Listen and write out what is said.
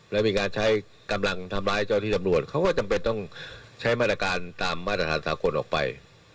แล้วมีการใช้กำลังทำร้ายเจ้าที่ตำรวจเขาก็จำเป็นต้องใช้มาตรการตามมาตรฐานสากลออกไป